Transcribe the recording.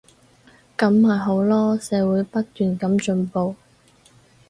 噉咪好囉，社會不斷噉進步